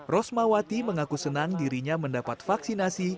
rosmawati mengaku senang dirinya mendapat vaksinasi